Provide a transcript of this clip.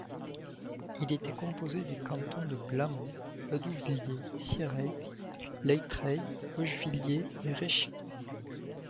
Il était composé des cantons de Blamont, Badouviller, Cirey, Leintrey, Ogeviller et Rechicour.